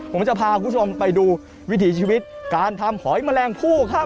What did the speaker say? ผมจะพาคุณผู้ชมไปดูวิถีชีวิตการทำหอยแมลงผู้ครับ